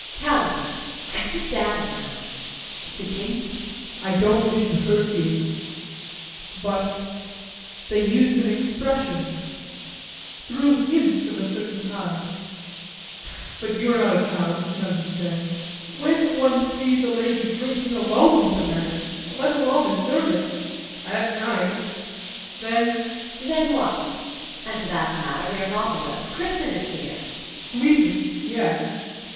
Tell me. And sit down now. JEAN [Sitting]. I don't wish to hurt you, but they used an expression threw hints of a certain kind but you are not a child, you can understand. When one sees a lady drinking alone with a man let alone a servant at night then JULIE. Then what? And for that matter, we are not alone. Kristin is here. JEAN. Sleeping! Yes.